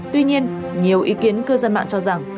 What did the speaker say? tuy nhiên nhiều ý kiến cư dân mạng cho rằng